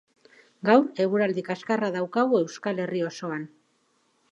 Gaur eguraldi kaskarra daukagu Euskal Herri osoan.